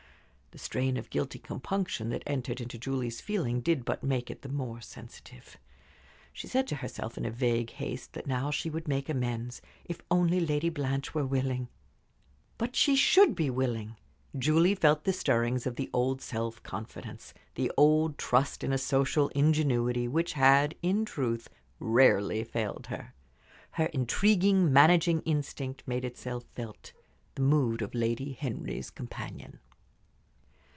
The strain of guilty compunction that entered into Julie's feeling did but make it the more sensitive. She said to herself in a vague haste that now she would make amends. If only Lady Blanche were willing But she should be willing! Julie felt the stirrings of the old self confidence, the old trust in a social ingenuity which had, in truth, rarely failed her. Her intriguing, managing instinct made itself felt the mood of Lady Henry's companion.